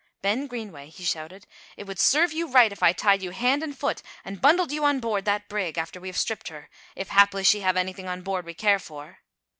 "Ben Greenway," he shouted, "it would serve you right if I tied you hand and foot and bundled you on board that brig, after we have stripped her, if haply she have anything on board we care for."